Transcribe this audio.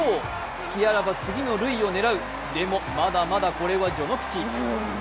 隙あらば次の塁を狙うでもまだまだこれは序の口。